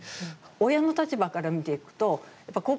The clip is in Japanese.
親の立場から見ていくとやっぱり高校生の娘